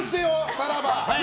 さらば！